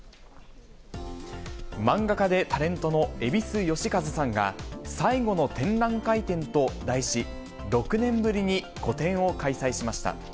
漫画家でタレントの蛭子能収さんが、最後の展覧会展と題し、６年ぶりに個展を開催しました。